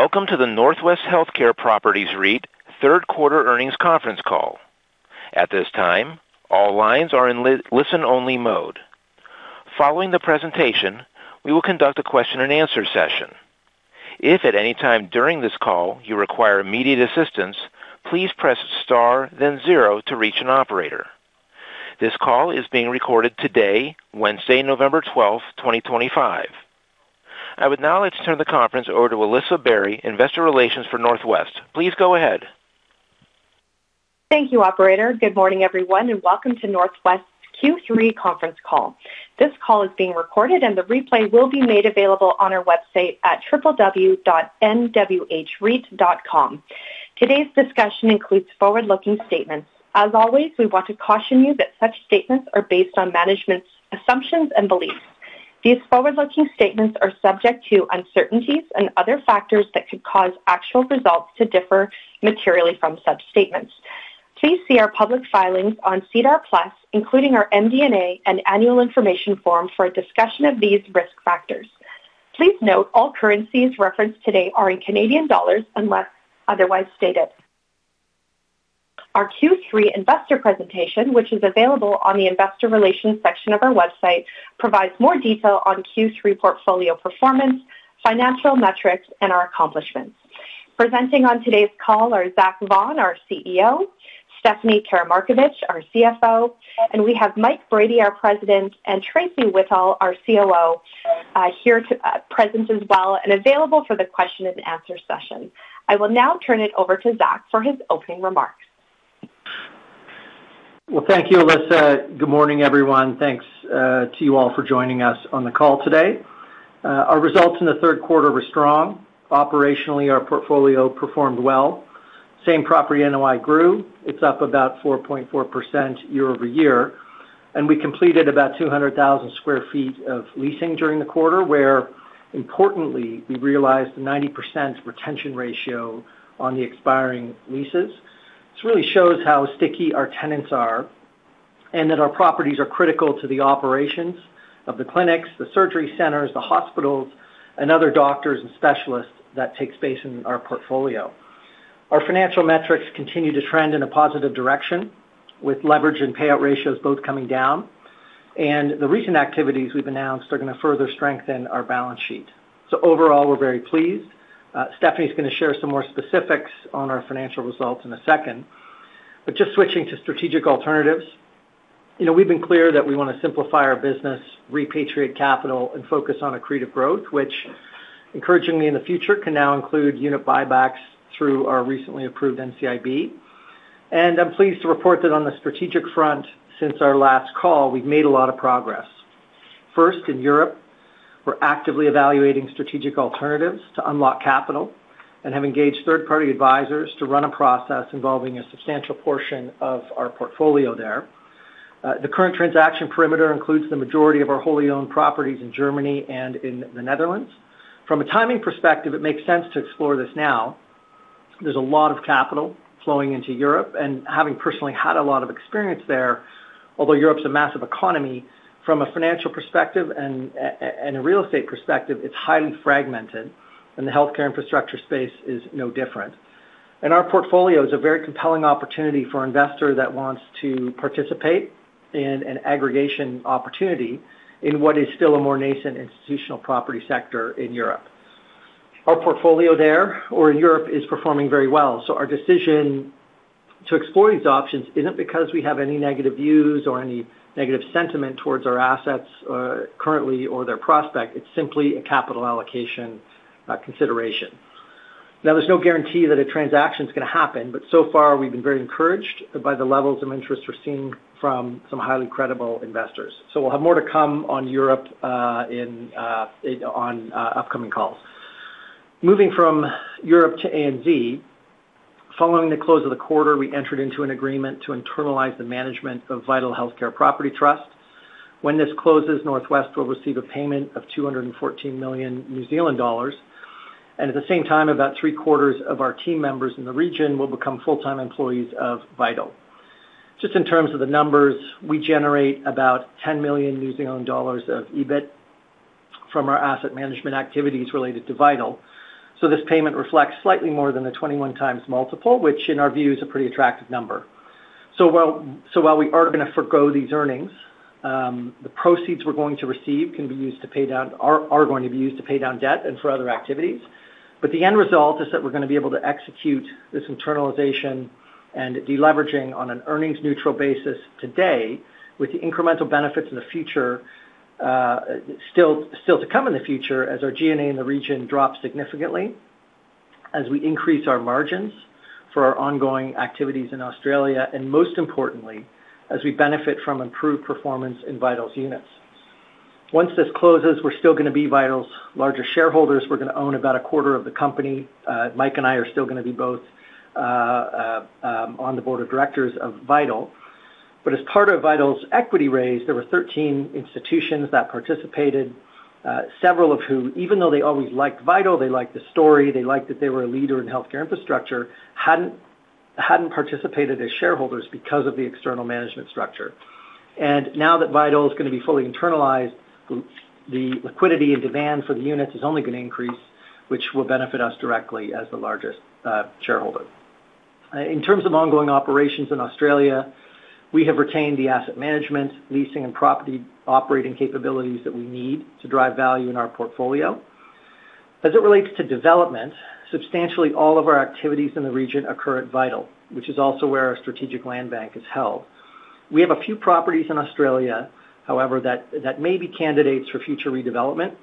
Welcome to the Northwest Healthcare Properties REIT third quarter earnings conference call. At this time, all lines are in listen-only mode. Following the presentation, we will conduct a question-and-answer session. If at any time during this call you require immediate assistance, please press star, then zero to reach an operator. This call is being recorded today, Wednesday, November 12th, 2025. I would now like to turn the conference over to Alyssa Barry, Investor Relations for Northwest. Please go ahead. Thank you, Operator. Good morning, everyone, and welcome to Northwest's Q3 conference call. This call is being recorded, and the replay will be made available on our website at www.nwhreit.com. Today's discussion includes forward-looking statements. As always, we want to caution you that such statements are based on management's assumptions and beliefs. These forward-looking statements are subject to uncertainties and other factors that could cause actual results to differ materially from such statements. Please see our public filings on SEDAR+, including our MD&A and annual information form for a discussion of these risk factors. Please note all currencies referenced today are in CAD unless otherwise stated. Our Q3 investor presentation, which is available on the investor relations section of our website, provides more detail on Q3 portfolio performance, financial metrics, and our accomplishments. Presenting on today's call are Zack Vaughan, our CEO, Stephanie Karamarkovic, our CFO, and we have Mike Brady, our President, and Tracey Whittal, our COO, here to present as well and available for the question-and-answer session. I will now turn it over to Zack for his opening remarks. Thank you, Alyssa. Good morning, everyone. Thanks to you all for joining us on the call today. Our results in the third quarter were strong. Operationally, our portfolio performed well. Same property NOI grew. It's up about 4.4% year-over-year. We completed about 200,000 sq ft of leasing during the quarter, where, importantly, we realized a 90% retention ratio on the expiring leases. This really shows how sticky our tenants are and that our properties are critical to the operations of the clinics, the surgery centers, the hospitals, and other doctors and specialists that take space in our portfolio. Our financial metrics continue to trend in a positive direction, with leverage and payout ratios both coming down. The recent activities we've announced are going to further strengthen our balance sheet. Overall, we're very pleased. Stephanie's going to share some more specifics on our financial results in a second. Just switching to strategic alternatives, we've been clear that we want to simplify our business, repatriate capital, and focus on accretive growth, which, encouragingly, in the future can now include unit buybacks through our recently approved NCIB. I'm pleased to report that on the strategic front, since our last call, we've made a lot of progress. First, in Europe, we're actively evaluating strategic alternatives to unlock capital and have engaged third-party advisors to run a process involving a substantial portion of our portfolio there. The current transaction perimeter includes the majority of our wholly owned properties in Germany and in the Netherlands. From a timing perspective, it makes sense to explore this now. There's a lot of capital flowing into Europe, and having personally had a lot of experience there, although Europe is a massive economy, from a financial perspective and a real estate perspective, it's highly fragmented, and the healthcare infrastructure space is no different. Our portfolio is a very compelling opportunity for an investor that wants to participate in an aggregation opportunity in what is still a more nascent institutional property sector in Europe. Our portfolio there, or in Europe, is performing very well. Our decision to explore these options isn't because we have any negative views or any negative sentiment towards our assets currently or their prospect. It's simply a capital allocation consideration. Now, there's no guarantee that a transaction is going to happen, but so far, we've been very encouraged by the levels of interest we're seeing from some highly credible investors. We'll have more to come on Europe on upcoming calls. Moving from Europe to ANZ, following the close of the quarter, we entered into an agreement to internalize the management of Vital Healthcare Property Trust. When this closes, Northwest will receive a payment of 214 million New Zealand dollars. At the same time, about three-quarters of our team members in the region will become full-time employees of Vital. Just in terms of the numbers, we generate about 10 million New Zealand dollars of EBIT from our asset management activities related to Vital. This payment reflects slightly more than the 21x multiple, which, in our view, is a pretty attractive number. While we are going to forgo these earnings, the proceeds we're going to receive can be used to pay down debt and for other activities. The end result is that we're going to be able to execute this internalization and deleveraging on an earnings-neutral basis today, with the incremental benefits in the future still to come in the future as our G&A in the region drops significantly, as we increase our margins for our ongoing activities in Australia, and most importantly, as we benefit from improved performance in Vital's units. Once this closes, we're still going to be Vital's largest shareholders. We're going to own about a quarter of the company. Mike and I are still going to be both on the board of directors of Vital. As part of Vital's equity raise, there were 13 institutions that participated, several of whom, even though they always liked Vital, they liked the story, they liked that they were a leader in healthcare infrastructure, hadn't participated as shareholders because of the external management structure. Now that Vital is going to be fully internalized, the liquidity and demand for the units is only going to increase, which will benefit us directly as the largest shareholder. In terms of ongoing operations in Australia, we have retained the asset management, leasing, and property operating capabilities that we need to drive value in our portfolio. As it relates to development, substantially all of our activities in the region occur at Vital, which is also where our strategic land bank is held. We have a few properties in Australia, however, that may be candidates for future redevelopment.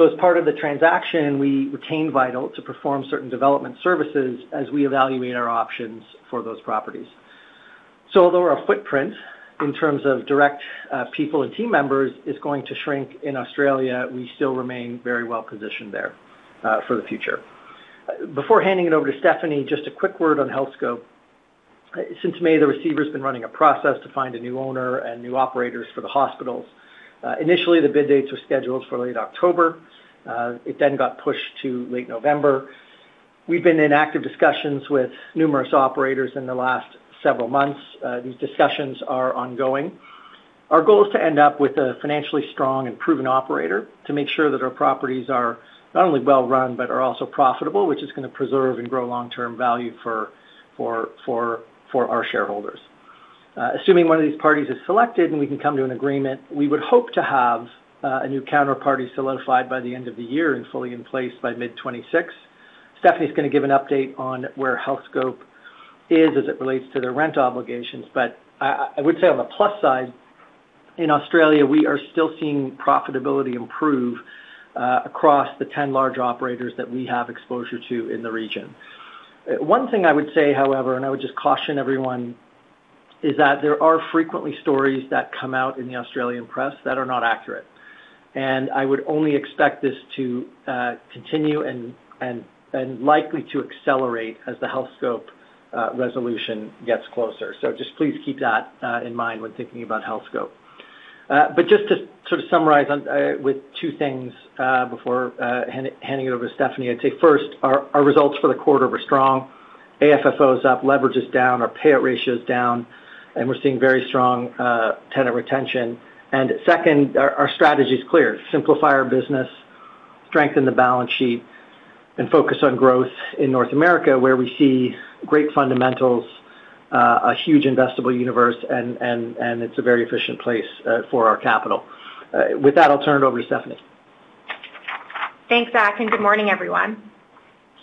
As part of the transaction, we retained Vital to perform certain development services as we evaluate our options for those properties. Although our footprint in terms of direct people and team members is going to shrink in Australia, we still remain very well positioned there for the future. Before handing it over to Stephanie, just a quick word on Healthscope. Since May, the receiver has been running a process to find a new owner and new operators for the hospitals. Initially, the bid dates were scheduled for late October. It then got pushed to late November. We've been in active discussions with numerous operators in the last several months. These discussions are ongoing. Our goal is to end up with a financially strong and proven operator to make sure that our properties are not only well-run but are also profitable, which is going to preserve and grow long-term value for our shareholders. Assuming one of these parties is selected and we can come to an agreement, we would hope to have a new counterparty solidified by the end of the year and fully in place by mid-2026. Stephanie's going to give an update on where Healthscope is as it relates to their rent obligations. I would say on the plus side, in Australia, we are still seeing profitability improve across the 10 large operators that we have exposure to in the region. One thing I would say, however, and I would just caution everyone, is that there are frequently stories that come out in the Australian press that are not accurate. I would only expect this to continue and likely to accelerate as the Healthscope resolution gets closer. Just please keep that in mind when thinking about Healthscope. Just to sort of summarize with two things before handing it over to Stephanie, I'd say first, our results for the quarter were strong. AFFO is up, leverage is down, our payout ratio is down, and we're seeing very strong tenant retention. Our strategy is clear. Simplify our business, strengthen the balance sheet, and focus on growth in North America, where we see great fundamentals, a huge investable universe, and it's a very efficient place for our capital. With that, I'll turn it over to Stephanie. Thanks, Zack, and good morning, everyone.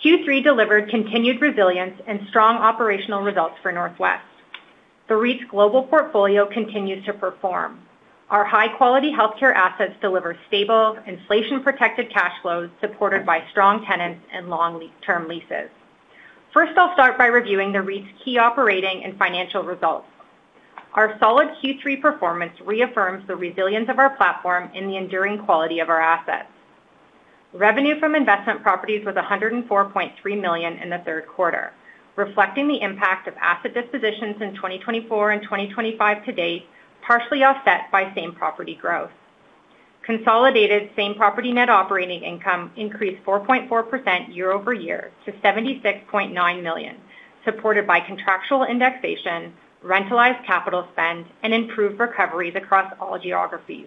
Q3 delivered continued resilience and strong operational results for Northwest. The REIT's global portfolio continues to perform. Our high-quality healthcare assets deliver stable, inflation-protected cash flows supported by strong tenants and long-term leases. First, I'll start by reviewing the REIT's key operating and financial results. Our solid Q3 performance reaffirms the resilience of our platform and the enduring quality of our assets. Revenue from investment properties was 104.3 million in the third quarter, reflecting the impact of asset dispositions in 2024 and 2025 to date, partially offset by same property growth. Consolidated same property net operating income increased 4.4% year-over-year to 76.9 million, supported by contractual indexation, rentalized capital spend, and improved recoveries across all geographies.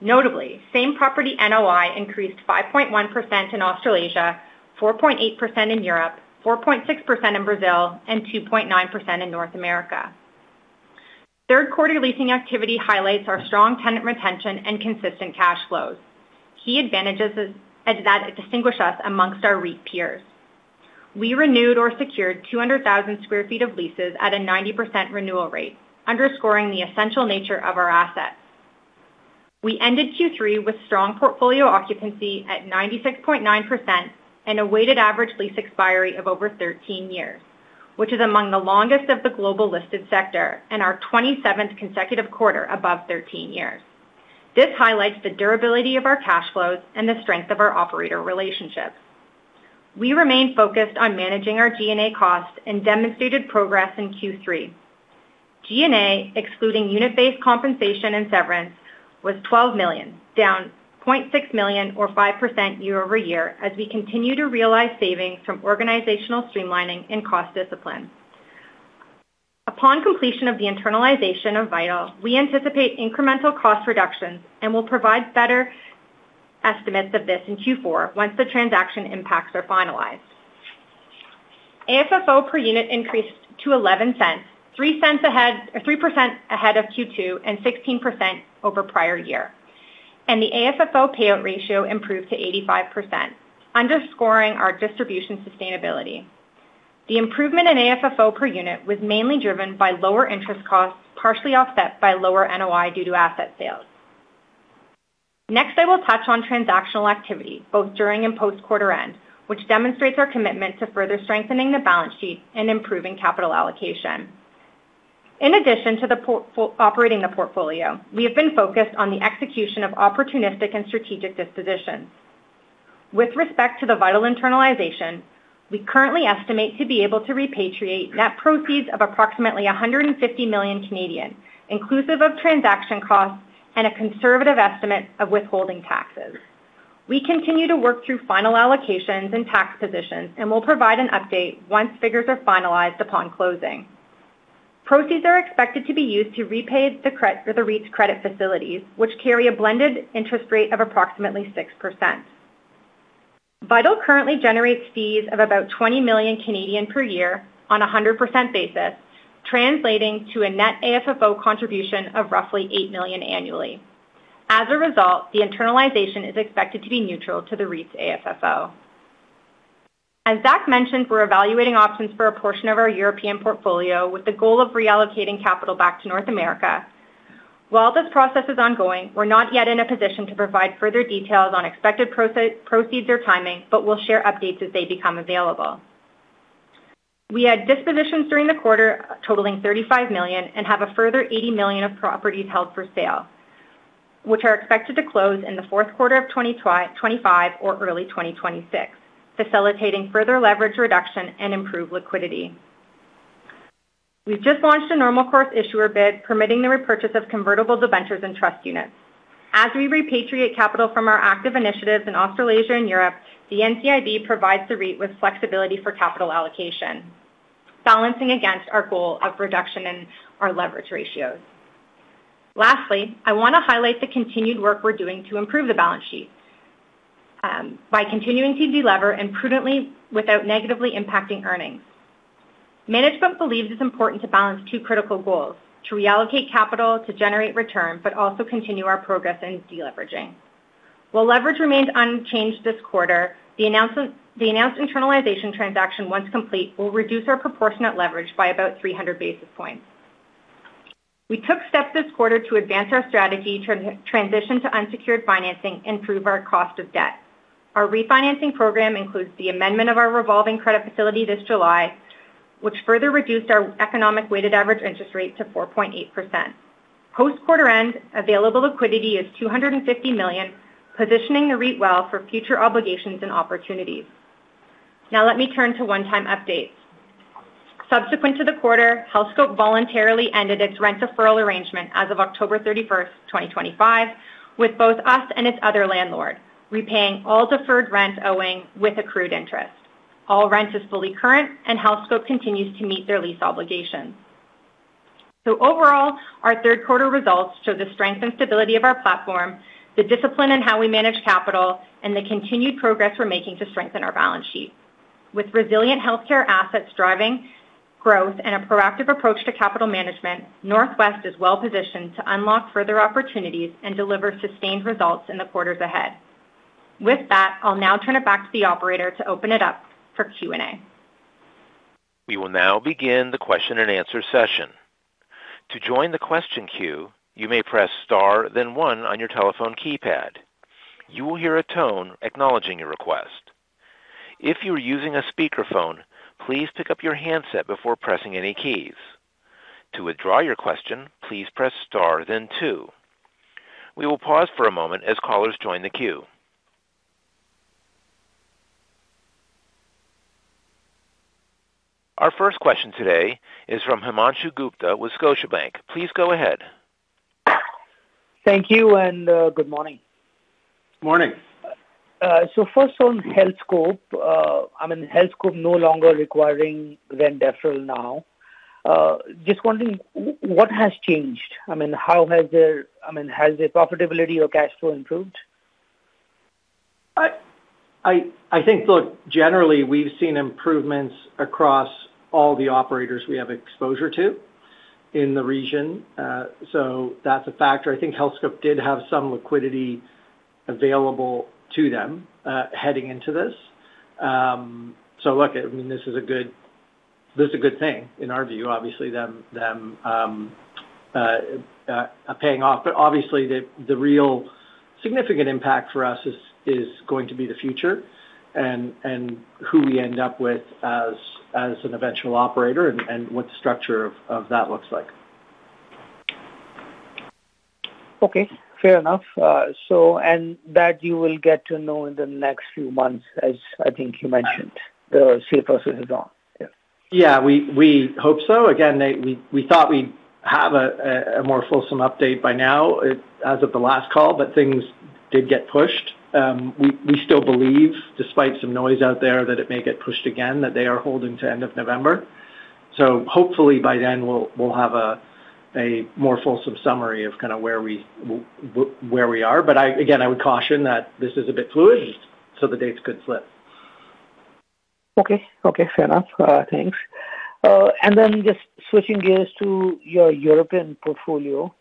Notably, same property NOI increased 5.1% in Australasia, 4.8% in Europe, 4.6% in Brazil, and 2.9% in North America. Third quarter leasing activity highlights our strong tenant retention and consistent cash flows. Key advantages that distinguish us amongst our REIT peers. We renewed or secured 200,000 sq ft of leases at a 90% renewal rate, underscoring the essential nature of our assets. We ended Q3 with strong portfolio occupancy at 96.9% and a weighted average lease expiry of over 13 years, which is among the longest of the global listed sector and our 27th consecutive quarter above 13 years. This highlights the durability of our cash flows and the strength of our operator relationships. We remained focused on managing our G&A costs and demonstrated progress in Q3. G&A, excluding unit-based compensation and severance, was 12 million, down 0.6 million or 5% year-over-year as we continue to realize savings from organizational streamlining and cost discipline. Upon completion of the internalization of Vital, we anticipate incremental cost reductions and will provide better estimates of this in Q4 once the transaction impacts are finalized. AFFO per unit increased to $0.11, 3% ahead of Q2 and 16% over prior year. The AFFO payout ratio improved to 85%, underscoring our distribution sustainability. The improvement in AFFO per unit was mainly driven by lower interest costs, partially offset by lower NOI due to asset sales. Next, I will touch on transactional activity, both during and post-quarter end, which demonstrates our commitment to further strengthening the balance sheet and improving capital allocation. In addition to operating the portfolio, we have been focused on the execution of opportunistic and strategic dispositions. With respect to the Vital internalization, we currently estimate to be able to repatriate net proceeds of approximately 150 million, inclusive of transaction costs and a conservative estimate of withholding taxes. We continue to work through final allocations and tax positions and will provide an update once figures are finalized upon closing. Proceeds are expected to be used to repay the REIT's credit facilities, which carry a blended interest rate of approximately 6%. Vital currently generates fees of about 20 million per year on a 100% basis, translating to a net AFFO contribution of roughly 8 million annually. As a result, the internalization is expected to be neutral to the REIT's AFFO. As Zack mentioned, we're evaluating options for a portion of our European portfolio with the goal of reallocating capital back to North America. While this process is ongoing, we're not yet in a position to provide further details on expected proceeds or timing, but we'll share updates as they become available. We had dispositions during the quarter totaling 35 million and have a further 80 million of properties held for sale, which are expected to close in the fourth quarter of 2025 or early 2026, facilitating further leverage reduction and improved liquidity. We've just launched a normal course issuer bid permitting the repurchase of convertible debentures and trust units. As we repatriate capital from our active initiatives in Australasia and Europe, the NCIB provides the REIT with flexibility for capital allocation, balancing against our goal of reduction in our leverage ratios. Lastly, I want to highlight the continued work we're doing to improve the balance sheet by continuing to delever and prudently without negatively impacting earnings. Management believes it's important to balance two critical goals: to reallocate capital to generate return, but also continue our progress in deleveraging. While leverage remains unchanged this quarter, the announced internalization transaction, once complete, will reduce our proportionate leverage by about 300 basis points. We took steps this quarter to advance our strategy to transition to unsecured financing and improve our cost of debt. Our refinancing program includes the amendment of our revolving credit facility this July, which further reduced our economic weighted average interest rate to 4.8%. Post-quarter end, available liquidity is 250 million, positioning the REIT well for future obligations and opportunities. Now, let me turn to one-time updates. Subsequent to the quarter, Healthscope voluntarily ended its rent deferral arrangement as of October 31st, 2025, with both us and its other landlord, repaying all deferred rent owing with accrued interest. All rent is fully current, and Healthscope continues to meet their lease obligations. Overall, our third quarter results show the strength and stability of our platform, the discipline in how we manage capital, and the continued progress we are making to strengthen our balance sheet. With resilient healthcare assets driving growth and a proactive approach to capital management, Northwest is well positioned to unlock further opportunities and deliver sustained results in the quarters ahead. With that, I will now turn it back to the operator to open it up for Q&A. We will now begin the question and answer session. To join the question queue, you may press star, then one on your telephone keypad. You will hear a tone acknowledging your request. If you are using a speakerphone, please pick up your handset before pressing any keys. To withdraw your question, please press star, then two. We will pause for a moment as callers join the queue. Our first question today is from Himanshu Gupta with Scotiabank. Please go ahead. Thank you and good morning. Morning. First on Healthscope, I mean, Healthscope no longer requiring rent deferral now. Just wondering what has changed? I mean, how has their, I mean, has their profitability or cash flow improved? I think, look, generally, we've seen improvements across all the operators we have exposure to in the region. So that's a factor. I think Healthscope did have some liquidity available to them heading into this. So, look, I mean, this is a good thing in our view, obviously, them paying off. Obviously, the real significant impact for us is going to be the future and who we end up with as an eventual operator and what the structure of that looks like. Okay. Fair enough. You will get to know in the next few months, as I think you mentioned, the sale process is on. Yeah. We hope so. Again, we thought we'd have a more fulsome update by now as of the last call, but things did get pushed. We still believe, despite some noise out there, that it may get pushed again, that they are holding to end of November. Hopefully, by then, we'll have a more fulsome summary of kind of where we are. Again, I would caution that this is a bit fluid, so the dates could slip. Okay. Okay. Fair enough. Thanks. And then just switching gears to your European portfolio.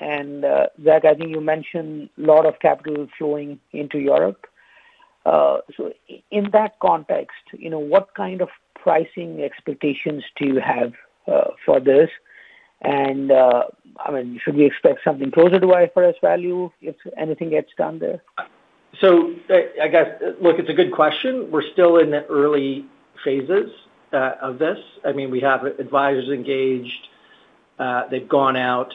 And Zack, I think you mentioned a lot of capital flowing into Europe. So in that context, what kind of pricing expectations do you have for this? And I mean, should we expect something closer to IFRS value if anything gets done there? I guess, look, it's a good question. We're still in the early phases of this. I mean, we have advisors engaged. They've gone out,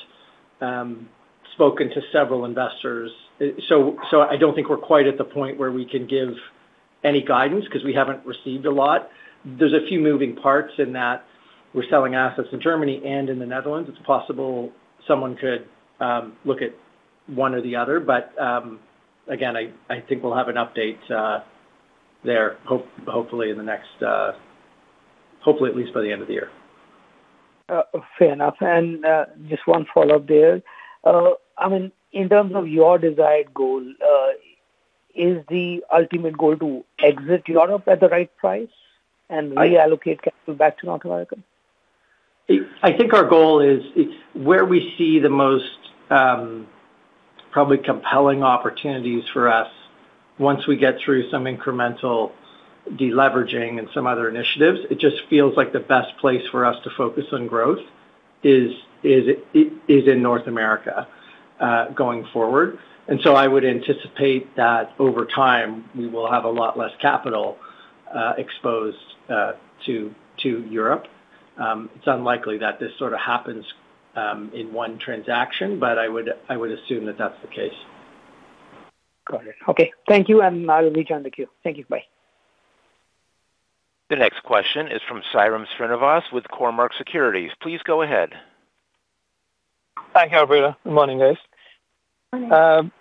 spoken to several investors. I don't think we're quite at the point where we can give any guidance because we haven't received a lot. There's a few moving parts in that we're selling assets in Germany and in the Netherlands. It's possible someone could look at one or the other. Again, I think we'll have an update there, hopefully, at least by the end of the year. Fair enough. Just one follow-up there. I mean, in terms of your desired goal, is the ultimate goal to exit Europe at the right price and reallocate capital back to North America? I think our goal is where we see the most probably compelling opportunities for us once we get through some incremental deleveraging and some other initiatives. It just feels like the best place for us to focus on growth is in North America going forward. I would anticipate that over time, we will have a lot less capital exposed to Europe. It's unlikely that this sort of happens in one transaction, but I would assume that that's the case. Got it. Okay. Thank you, and I'll rejoin the queue. Thank you. Bye. The next question is from Sairam Srinivas with Cormark Securities. Please go ahead. Thank you, Arpita. Good morning, guys. Morning.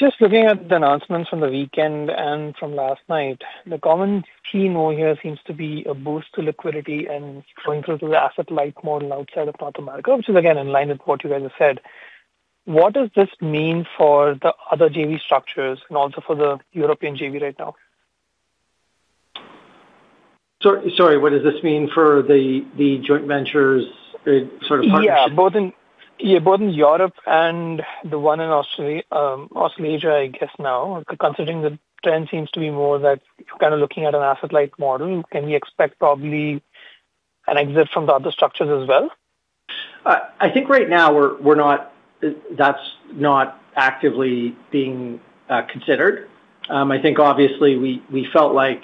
Just looking at the announcements from the weekend and from last night, the common key note here seems to be a boost to liquidity and going through to the asset light model outside of North America, which is, again, in line with what you guys have said. What does this mean for the other JV structures and also for the European JV right now? Sorry. What does this mean for the joint ventures sort of partnerships? Yeah. Both in Europe and the one in Australasia, I guess, now, considering the trend seems to be more that you're kind of looking at an asset light model. Can we expect probably an exit from the other structures as well? I think right now, that's not actively being considered. I think, obviously, we felt like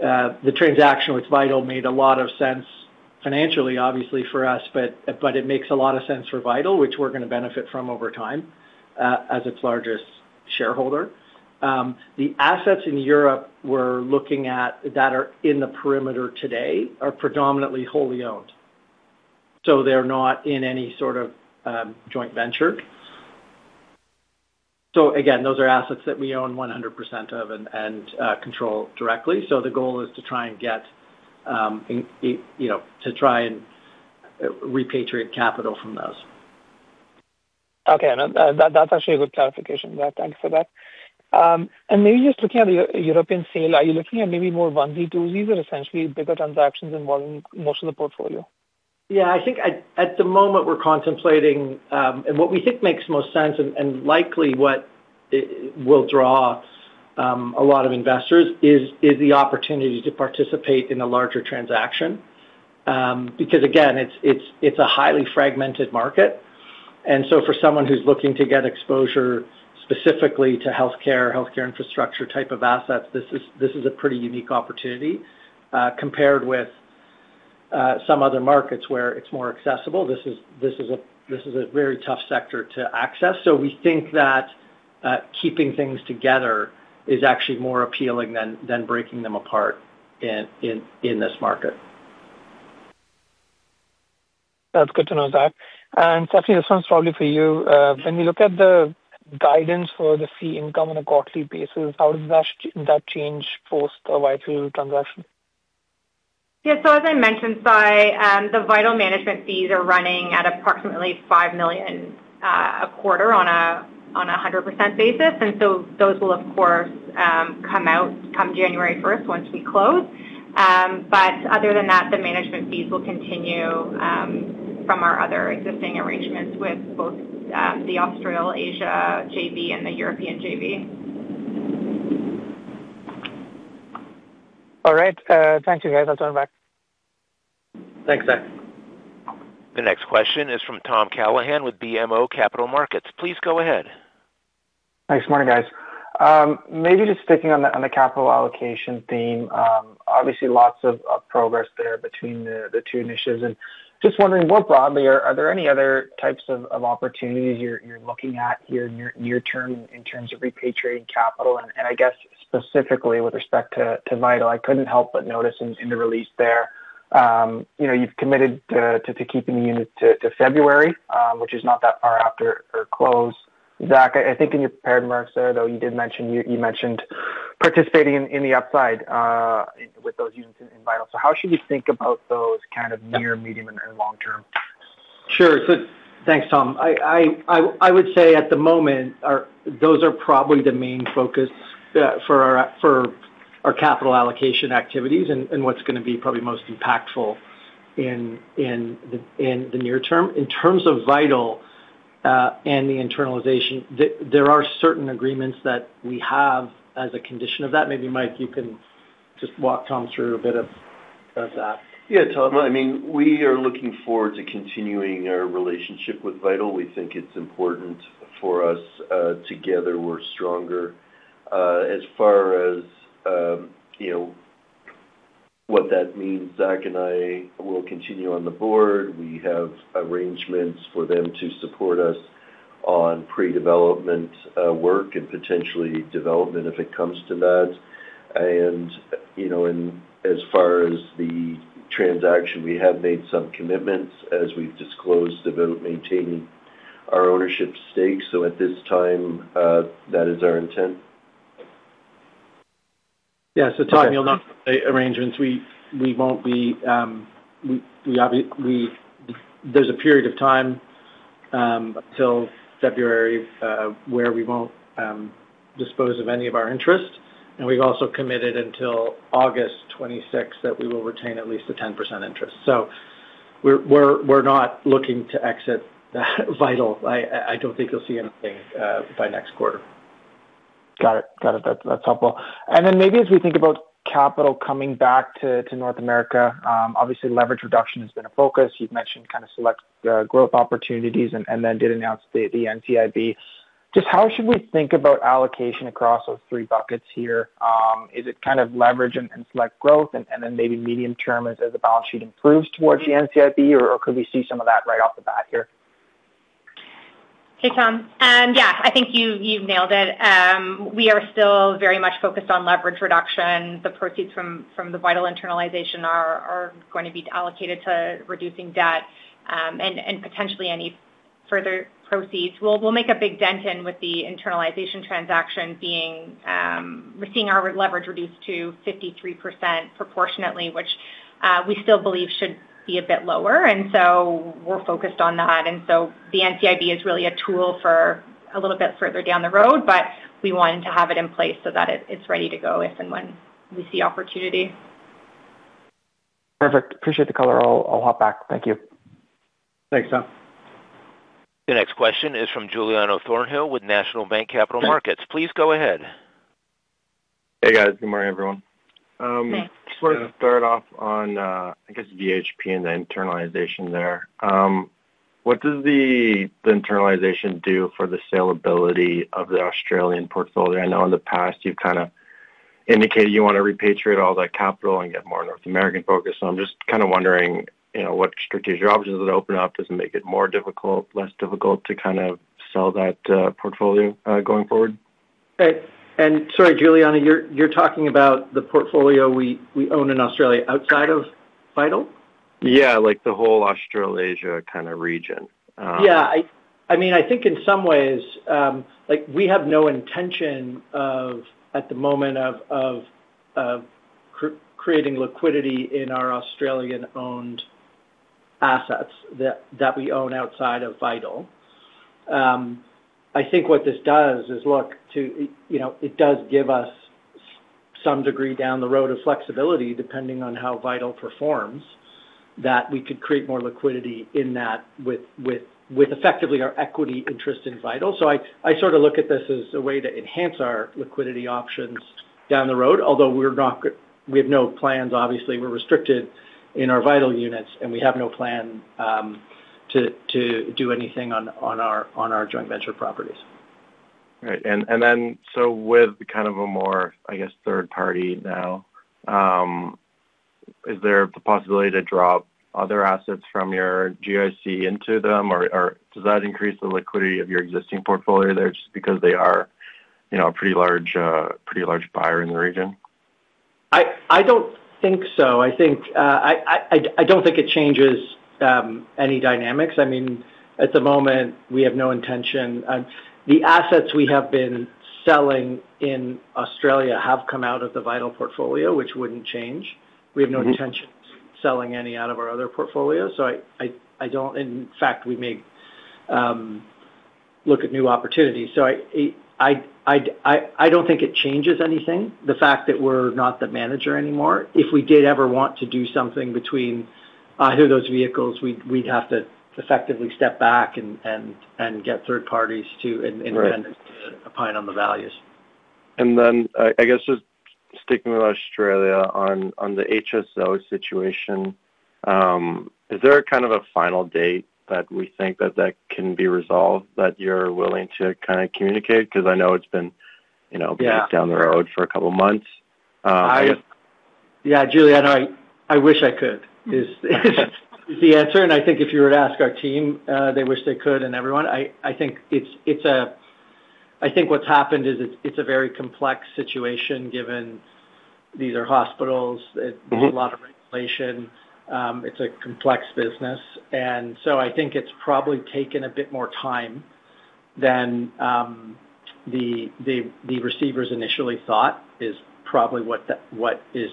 the transaction with Vital made a lot of sense financially, obviously, for us, but it makes a lot of sense for Vital, which we're going to benefit from over time as its largest shareholder. The assets in Europe we're looking at that are in the perimeter today are predominantly wholly owned. They are not in any sort of joint venture. Those are assets that we own 100% of and control directly. The goal is to try and get to try and repatriate capital from those. Okay. That's actually a good clarification, Zack. Thanks for that. Maybe just looking at the European sale, are you looking at maybe more onesie, twosies or essentially bigger transactions involving most of the portfolio? Yeah. I think at the moment, we're contemplating and what we think makes most sense and likely what will draw a lot of investors is the opportunity to participate in a larger transaction because, again, it's a highly fragmented market. For someone who's looking to get exposure specifically to healthcare, healthcare infrastructure type of assets, this is a pretty unique opportunity compared with some other markets where it's more accessible. This is a very tough sector to access. We think that keeping things together is actually more appealing than breaking them apart in this market. That's good to know, Zack. Stephanie, this one's probably for you. When we look at the guidance for the fee income on a quarterly basis, how does that change post-Vital transaction? Yeah. As I mentioned, the Vital management fees are running at approximately $5 million a quarter on a 100% basis. Those will, of course, come out come January 1st once we close. Other than that, the management fees will continue from our other existing arrangements with both the Australasia JV and the European JV. All right. Thank you, guys. I'll turn it back. Thanks, Sairam. The next question is from Tom Callaghan with BMO Capital Markets. Please go ahead. Thanks. Morning, guys. Maybe just sticking on the capital allocation theme, obviously, lots of progress there between the two initiatives. Just wondering more broadly, are there any other types of opportunities you're looking at here near term in terms of repatriating capital? I guess specifically with respect to Vital, I couldn't help but notice in the release there, you've committed to keeping the units to February, which is not that far after close. Zack, I think in your prepared marks there, though, you did mention participating in the upside with those units in Vital. How should we think about those kind of near, medium, and long-term? Sure. Thanks, Tom. I would say at the moment, those are probably the main focus for our capital allocation activities and what's going to be probably most impactful in the near term. In terms of Vital and the internalization, there are certain agreements that we have as a condition of that. Maybe Mike, you can just walk, Tom, through a bit of that. Yeah. I mean, we are looking forward to continuing our relationship with Vital. We think it's important for us together. We're stronger. As far as what that means, Zack and I will continue on the board. We have arrangements for them to support us on pre-development work and potentially development if it comes to that. As far as the transaction, we have made some commitments as we've disclosed about maintaining our ownership stakes. At this time, that is our intent. Yeah. Tom, you'll not see arrangements. We won't be, there's a period of time until February where we won't dispose of any of our interest. We've also committed until August 2026 that we will retain at least a 10% interest. We're not looking to exit Vital. I don't think you'll see anything by next quarter. Got it. Got it. That's helpful. Maybe as we think about capital coming back to North America, obviously, leverage reduction has been a focus. You've mentioned kind of select growth opportunities and then did announce the NCIB. Just how should we think about allocation across those three buckets here? Is it kind of leverage and select growth and then maybe medium term as the balance sheet improves towards the NCIB, or could we see some of that right off the bat here? Hey, Tom. Yeah. I think you've nailed it. We are still very much focused on leverage reduction. The proceeds from the Vital internalization are going to be allocated to reducing debt and potentially any further proceeds. We'll make a big dent in with the internalization transaction being we're seeing our leverage reduced to 53% proportionately, which we still believe should be a bit lower. We are focused on that. The NCIB is really a tool for a little bit further down the road, but we want to have it in place so that it's ready to go if and when we see opportunity. Perfect. Appreciate the color. I'll hop back. Thank you. Thanks, Tom. The next question is from Giuliano Thornhill with National Bank Capital Markets. Please go ahead. Hey, guys. Good morning, everyone. Hey. Just wanted to start off on, I guess, VHP and the internalization there. What does the internalization do for the saleability of the Australian portfolio? I know in the past, you've kind of indicated you want to repatriate all that capital and get more North American focus. So I'm just kind of wondering what strategic options would open up? Does it make it more difficult, less difficult to kind of sell that portfolio going forward? Sorry, Giuliano, you're talking about the portfolio we own in Australia outside of Vital? Yeah. The whole Australasia kind of region. Yeah. I mean, I think in some ways, we have no intention at the moment of creating liquidity in our Australian-owned assets that we own outside of Vital. I think what this does is, look, it does give us some degree down the road of flexibility depending on how Vital performs that we could create more liquidity in that with effectively our equity interest in Vital. I sort of look at this as a way to enhance our liquidity options down the road, although we have no plans, obviously. We are restricted in our Vital units, and we have no plan to do anything on our joint venture properties. Right. And then with kind of a more, I guess, third party now, is there the possibility to drop other assets from your GIC into them, or does that increase the liquidity of your existing portfolio there just because they are a pretty large buyer in the region? I don't think so. I don't think it changes any dynamics. I mean, at the moment, we have no intention. The assets we have been selling in Australia have come out of the Vital portfolio, which wouldn't change. We have no intention of selling any out of our other portfolio. I don't, in fact, we may look at new opportunities. I don't think it changes anything, the fact that we're not the manager anymore. If we did ever want to do something between either of those vehicles, we'd have to effectively step back and get third parties to independently opine on the values. I guess just sticking with Australia on the HSO situation, is there kind of a final date that we think that that can be resolved that you're willing to kind of communicate? Because I know it's been down the road for a couple of months. Yeah. Giuliano, I wish I could is the answer. I think if you were to ask our team, they wish they could and everyone, I think it's a I think what's happened is it's a very complex situation given these are hospitals. There's a lot of regulation. It's a complex business. I think it's probably taken a bit more time than the receivers initially thought is probably what is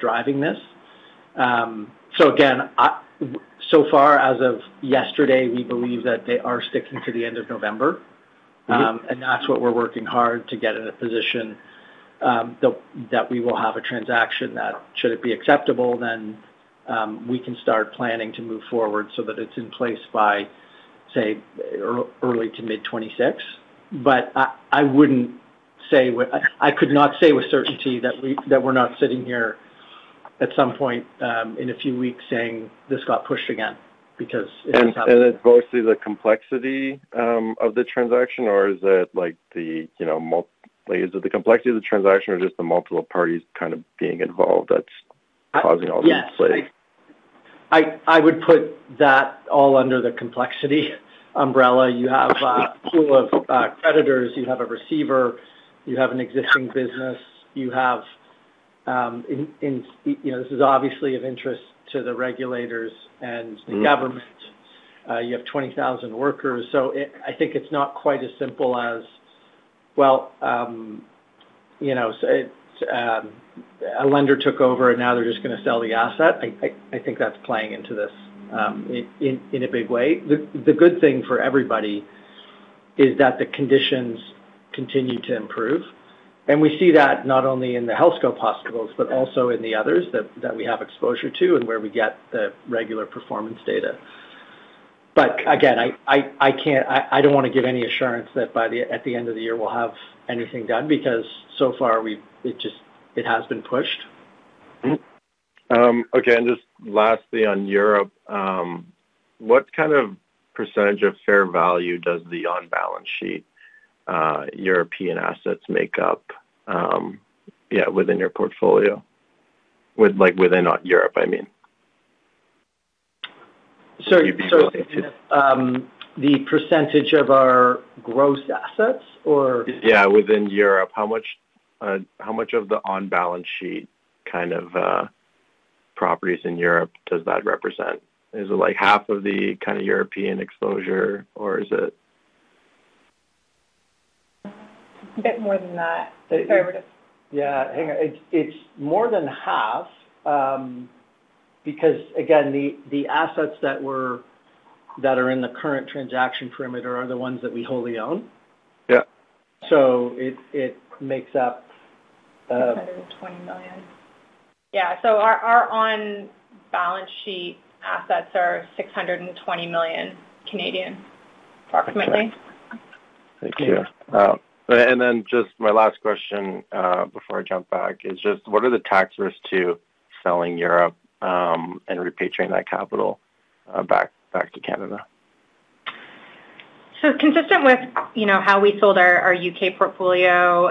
driving this. Again, so far as of yesterday, we believe that they are sticking to the end of November. That's what we're working hard to get in a position that we will have a transaction that should it be acceptable, then we can start planning to move forward so that it's in place by, say, early to mid-2026. I would not say I could not say with certainty that we are not sitting here at some point in a few weeks saying, "This got pushed again," because it happens. Is it mostly the complexity of the transaction, or is it the complexity of the transaction or just the multiple parties kind of being involved that's causing all this play? Yeah. I would put that all under the complexity umbrella. You have a pool of creditors. You have a receiver. You have an existing business. You have this is obviously of interest to the regulators and the government. You have 20,000 workers. I think it's not quite as simple as, "Well, a lender took over, and now they're just going to sell the asset." I think that's playing into this in a big way. The good thing for everybody is that the conditions continue to improve. We see that not only in the Healthscope hospitals but also in the others that we have exposure to and where we get the regular performance data. Again, I don't want to give any assurance that by the end of the year, we'll have anything done because so far, it has been pushed. Again, just lastly on Europe, what kind of percentage of fair value does the on-balance sheet European assets make up, yeah, within your portfolio? Within Europe, I mean. The percentage of our gross assets, or? Yeah. Within Europe, how much of the on-balance sheet kind of properties in Europe does that represent? Is it like half of the kind of European exposure, or is it? A bit more than that. Sorry, we're just. Yeah. Hang on. It's more than half because, again, the assets that are in the current transaction perimeter are the ones that we wholly own. Yeah. It makes up. 620 million. Yeah. Our on-balance sheet assets are 620 million, approximately. Thank you. Just my last question before I jump back is just what are the tax risks to selling Europe and repatriating that capital back to Canada? Consistent with how we sold our U.K. portfolio,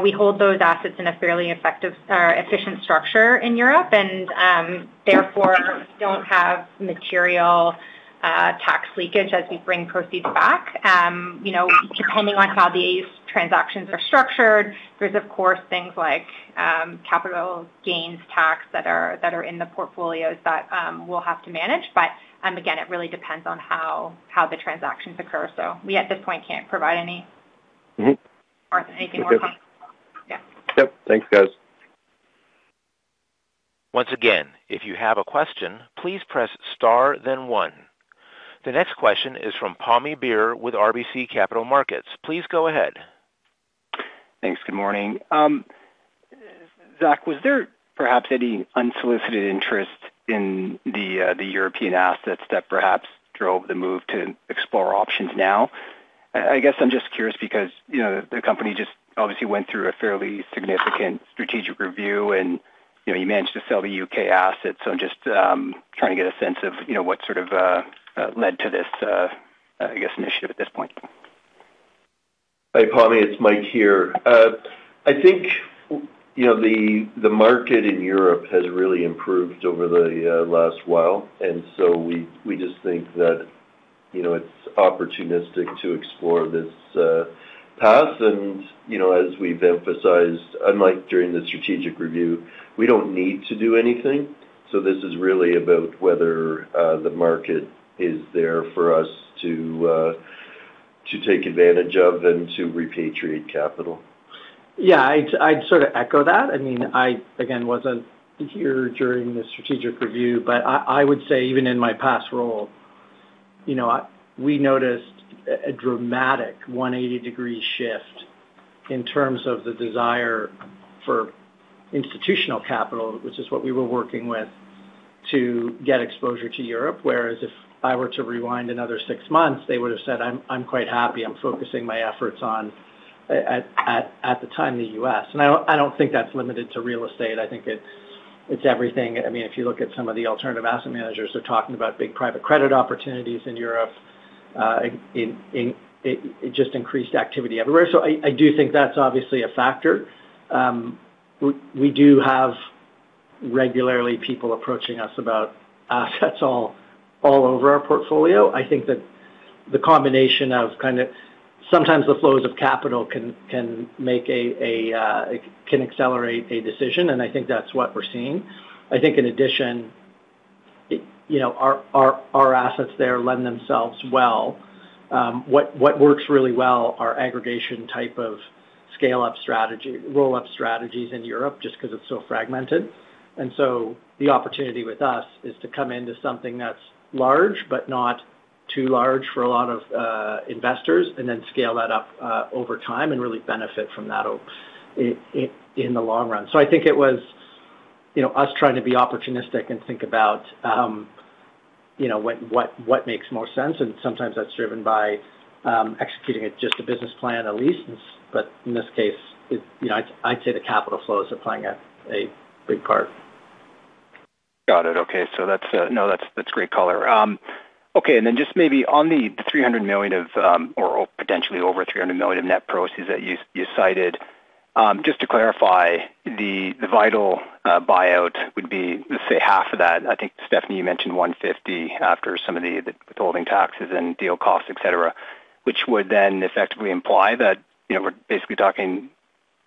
we hold those assets in a fairly efficient structure in Europe and therefore do not have material tax leakage as we bring proceeds back. Depending on how these transactions are structured, there are, of course, things like capital gains tax that are in the portfolios that we will have to manage. Again, it really depends on how the transactions occur. At this point, we cannot provide any more comments. Yeah. Yep. Thanks, guys. Once again, if you have a question, please press star, then one. The next question is from Pammi Bir with RBC Capital Markets. Please go ahead. Thanks. Good morning. Zack, was there perhaps any unsolicited interest in the European assets that perhaps drove the move to explore options now? I guess I'm just curious because the company just obviously went through a fairly significant strategic review, and you managed to sell the U.K. assets. So I'm just trying to get a sense of what sort of led to this, I guess, initiative at this point. Hi, Pommi. It's Mike here. I think the market in Europe has really improved over the last while. We just think that it's opportunistic to explore this path. As we've emphasized, unlike during the strategic review, we don't need to do anything. This is really about whether the market is there for us to take advantage of and to repatriate capital. Yeah. I'd sort of echo that. I mean, I, again, wasn't here during the strategic review, but I would say even in my past role, we noticed a dramatic 180-degree shift in terms of the desire for institutional capital, which is what we were working with, to get exposure to Europe. Whereas if I were to rewind another six months, they would have said, "I'm quite happy. I'm focusing my efforts on, at the time, the U.S." I don't think that's limited to real estate. I think it's everything. I mean, if you look at some of the alternative asset managers, they're talking about big private credit opportunities in Europe, just increased activity everywhere. I do think that's obviously a factor. We do have regularly people approaching us about assets all over our portfolio. I think that the combination of kind of sometimes the flows of capital can make a can accelerate a decision. I think that's what we're seeing. I think in addition, our assets there lend themselves well. What works really well are aggregation type of scale-up strategies, roll-up strategies in Europe just because it's so fragmented. The opportunity with us is to come into something that's large but not too large for a lot of investors and then scale that up over time and really benefit from that in the long run. I think it was us trying to be opportunistic and think about what makes more sense. Sometimes that's driven by executing just a business plan, at least. In this case, I'd say the capital flows are playing a big part. Got it. Okay. No, that's great color. Okay. Just maybe on the 300 million or potentially over 300 million of net proceeds that you cited, just to clarify, the Vital buyout would be, let's say, half of that. I think, Stephanie, you mentioned 150 million after some of the withholding taxes and deal costs, etc., which would then effectively imply that we're basically talking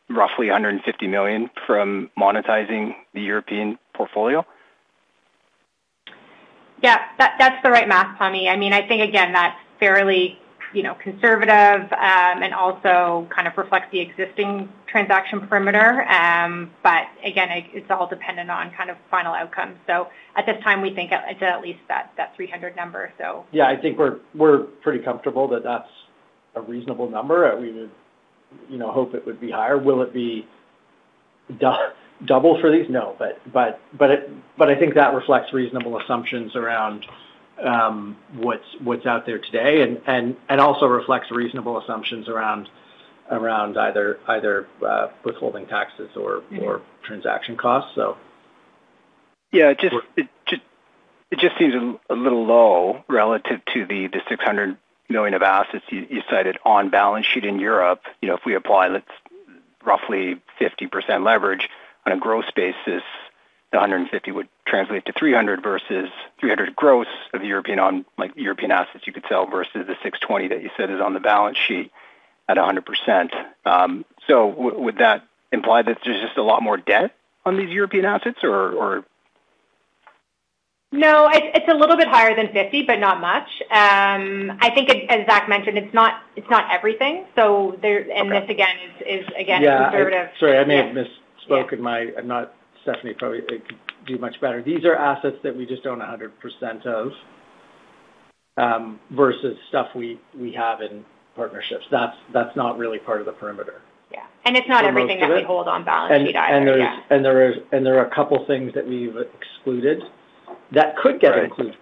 roughly 150 million from monetizing the European portfolio. Yeah. That's the right math, Pommi. I mean, I think, again, that's fairly conservative and also kind of reflects the existing transaction perimeter. I mean, again, it's all dependent on kind of final outcome. At this time, we think it's at least that 300 number, so. Yeah. I think we're pretty comfortable that that's a reasonable number. We would hope it would be higher. Will it be double for these? No. I think that reflects reasonable assumptions around what's out there today and also reflects reasonable assumptions around either withholding taxes or transaction costs. Yeah. It just seems a little low relative to the 600 million of assets you cited on balance sheet in Europe. If we apply roughly 50% leverage on a gross basis, the 150 million would translate to 300 million versus 300 million gross of European assets you could sell versus the 620 million that you said is on the balance sheet at 100%. Would that imply that there's just a lot more debt on these European assets, or? No. It's a little bit higher than 50%, but not much. I think, as Zack mentioned, it's not everything. This, again, is, again, conservative. Yeah. Sorry. I may have misspoken. I'm not. Stephanie probably could do much better. These are assets that we just own 100% of versus stuff we have in partnerships. That's not really part of the perimeter. Yeah. It is not everything that we hold on balance sheet either. There are a couple of things that we've excluded that could get included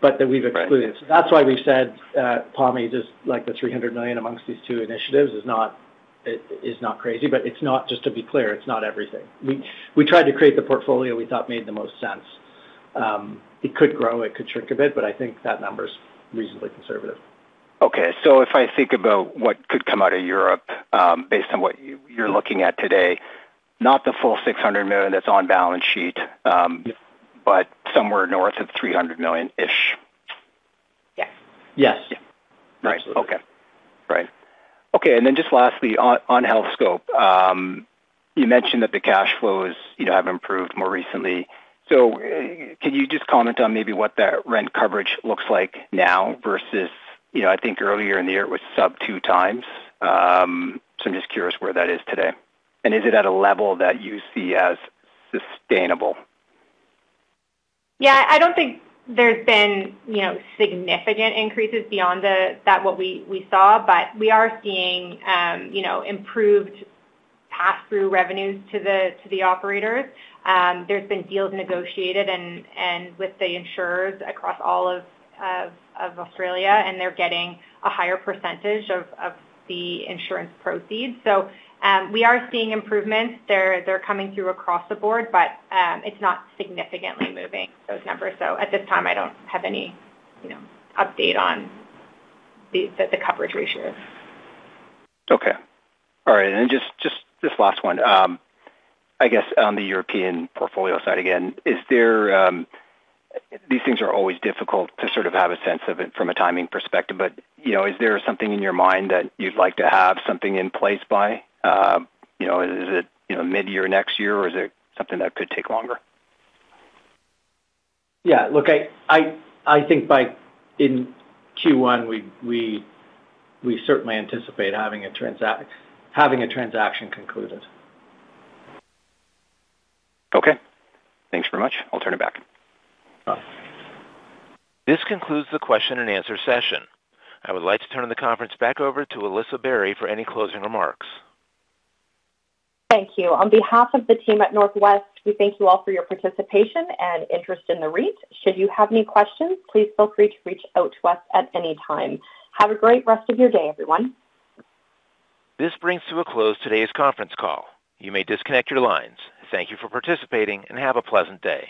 but that we've excluded. That is why we've said, Pammi, just like the 300 million amongst these two initiatives is not crazy. Just to be clear, it's not everything. We tried to create the portfolio we thought made the most sense. It could grow. It could shrink a bit. I think that number's reasonably conservative. Okay. If I think about what could come out of Europe based on what you're looking at today, not the full 600 million that's on balance sheet, but somewhere north of 300 million-ish. Yes. Yes. Yeah. Right. Okay. Right. Okay. And then just lastly, on Healthscope, you mentioned that the cash flows have improved more recently. Can you just comment on maybe what that rent coverage looks like now versus I think earlier in the year it was sub two times? I'm just curious where that is today. Is it at a level that you see as sustainable? Yeah. I don't think there's been significant increases beyond what we saw. We are seeing improved pass-through revenues to the operators. There's been deals negotiated with the insurers across all of Australia, and they're getting a higher percentage of the insurance proceeds. We are seeing improvements. They're coming through across the board, but it's not significantly moving those numbers. At this time, I don't have any update on the coverage ratio. Okay. All right. And then just this last one. I guess on the European portfolio side again, these things are always difficult to sort of have a sense of it from a timing perspective. But is there something in your mind that you'd like to have something in place by? Is it mid-year next year, or is it something that could take longer? Yeah. Look, I think in Q1, we certainly anticipate having a transaction concluded. Okay. Thanks very much. I'll turn it back. This concludes the question-and-answer session. I would like to turn the conference back over to Alyssa Barry for any closing remarks. Thank you. On behalf of the team at Northwest, we thank you all for your participation and interest in the REIT. Should you have any questions, please feel free to reach out to us at any time. Have a great rest of your day, everyone. This brings to a close today's conference call. You may disconnect your lines. Thank you for participating, and have a pleasant day.